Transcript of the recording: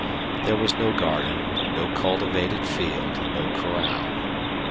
There was no garden, no cultivated field, no corral.